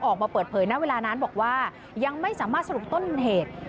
ออกมาเปิดเผยณเวลานั้นบอกว่ายังไม่สามารถสรุปต้นเหตุ